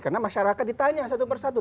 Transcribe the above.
karena masyarakat ditanya satu persatu